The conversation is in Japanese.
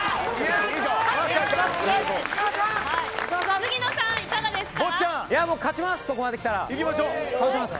杉野さん、いかがですか。